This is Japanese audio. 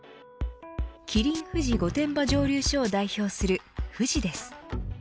キリン富士御殿場蒸溜所を代表する富士です。